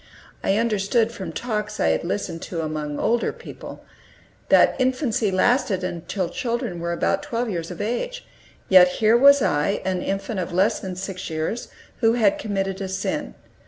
I understood, from talks I had listened to among older people, that infancy lasted until children were about twelve years of age. Yet here was I, an infant of less than six years, who had committed a sin.